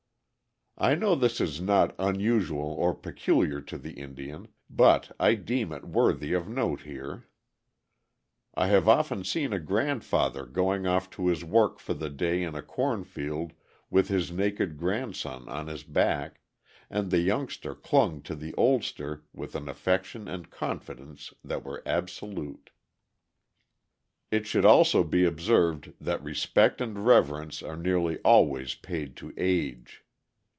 I know this is not unusual or peculiar to the Indian, but I deem it worthy of note here. I have often seen a grandfather going off to his work for the day in a corn field with his naked grandson on his back, and the youngster clung to the oldster with an affection and confidence that were absolute. [Illustration: AN APACHE GRANDMOTHER AND HER PET.] It should also be observed that respect and reverence are nearly always paid to age.